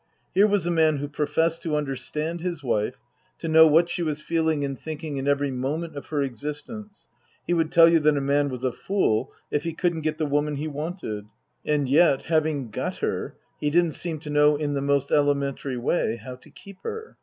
Here was a man who professed to understand his wife, to know what she was feeling and thinking in every moment of her existence ; he would tell you that a man was a fool if he couldn't get the woman he wanted ; and yet, having got her, he didn't seem to know in the most elementary way how to keep her.